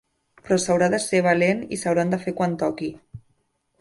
Però s’ha de ser valent i s’hauran de fer quan toqui.